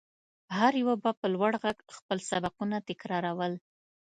هر يوه به په لوړ غږ خپل سبقونه تکرارول.